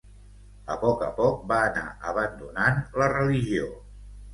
A poc a poc va anar abandonant la religió.